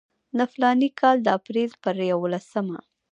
د فلاني کال د اپریل پر یوولسمه.